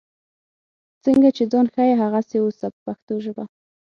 څنګه چې ځان ښیې هغسې اوسه په پښتو ژبه.